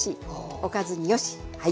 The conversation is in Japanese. おかずによし！